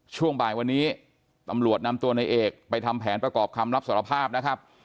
ช่วงบ่ายวันนี้ตำรวจนำตัวในเอกไปทำแผนประกอบคำรับสารภาพนะครับ